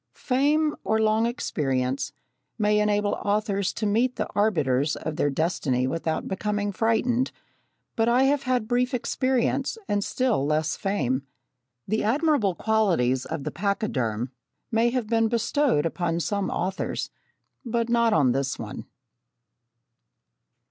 Fame, or long experience, may enable authors to meet the arbiters of their destiny without becoming frightened, but I have had brief experience, and still less fame. The admirable qualities of the pachyderm may have been bestowed upon some authors but not on this one.